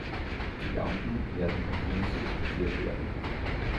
Die Beamten werden vom Dienst suspendiert werden.